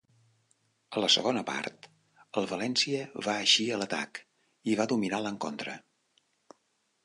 A la segona part, el València va eixir a l'atac i va dominar l'encontre.